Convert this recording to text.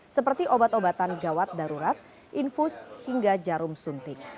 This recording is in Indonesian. seperti obat obatan gawat darurat infus hingga jarum suntik